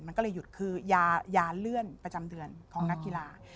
มันก็เลยหยุดคือยาเลื่อนประจำเดือนของนักกีฬา